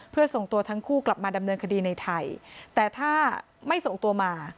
เพื่อส่งตัวทั้งคู่กลับมาดำเนินคดีในไทยแต่ถ้าไม่ส่งตัวมา